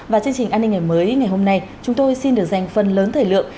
và chương trình an ninh ngày mới ngày hôm nay chúng tôi xin được dành phần lớn thời lượng